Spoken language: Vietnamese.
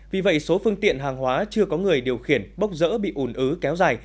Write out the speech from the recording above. vì vậy số phương tiện hàng hóa chưa có người điều khiển bốc rỡ bị ủn ứ kéo dài